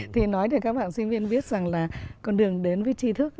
thì nói để các bạn sinh viên biết rằng là con đường đến với tri thức